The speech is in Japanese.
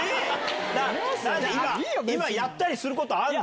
今やったりすることあるの？